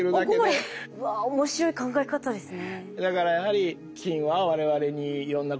うわ面白い考え方ですね。